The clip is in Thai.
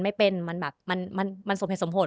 ไม่เป็นมันแบบมันสมเหตุสมผล